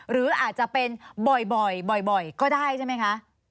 หรืออาจจะเป็นบ่อยก็ได้ใช่ไหมคะ